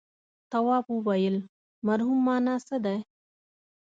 تواب وويل: مرم مانا څه ده.